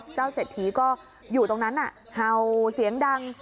เศรษฐีก็อยู่ตรงนั้นเห่าเสียงดัง